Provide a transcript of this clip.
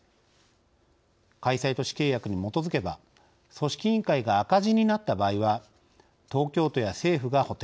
開催都市契約に基づけば組織委員会が赤字になった場合は東京都や政府が補填